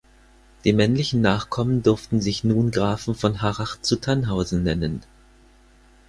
Die männlichen Nachkommen durften sich nun "Grafen von Harrach zu Thannhausen" nennen.